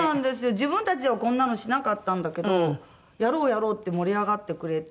自分たちではこんなのしなかったんだけど「やろうやろう」って盛り上がってくれて。